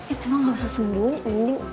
eh cuman gak usah sembunyi